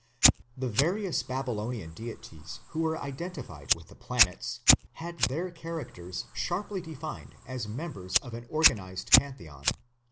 The various Babylonian deities who were identified with the planets had their characters sharply defined as members of an organized pantheon.